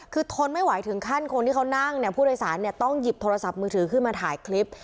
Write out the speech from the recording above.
คือทนไม่ไหวถึงขั้นคนที่เขานั่งเนี่ยผู้โดยสารเนี่ยต้องหยิบโทรศัพท์มือถือขึ้นมาถ่ายคลิป